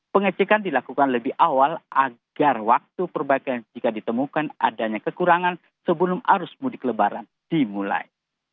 pengecekan dilakukan lebih awal agar waktu perbaikan jika ditemukan adanya kekurangan sebelum arus mudik lebaran dimulai